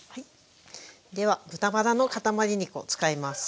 では豚バラの塊肉を使います。